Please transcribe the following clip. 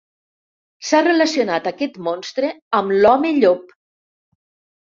S'ha relacionat aquest monstre amb l'home llop.